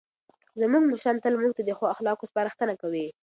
زموږ مشران تل موږ ته د ښو اخلاقو سپارښتنه کوي.